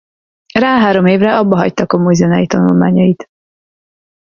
Rá három évre abbahagyta komolyzenei tanulmányait.